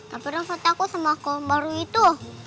gapapa rafa takut sama aku baru itu